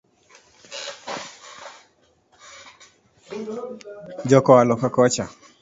Joka oa loka kocha.